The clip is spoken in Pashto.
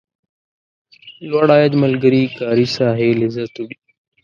لوړ عاید ملګري کاري ساحې لذت وړي.